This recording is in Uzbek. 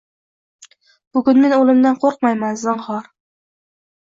Bugun men o‘limdan qo‘rqmayman zinhor